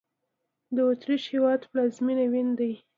د اوترېش هېواد پلازمېنه وین دی